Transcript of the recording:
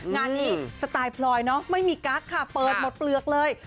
งานนี้สไตล์พลอยเนาะไม่มีกั๊กค่ะเปิดหมดเปลือกเลย